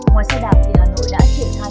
ngoài xe đạp thì hà nội đã chuyển thai